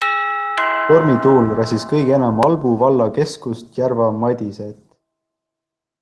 Tormituul räsis kõige enam Albu valla keskust Järva-Madiset.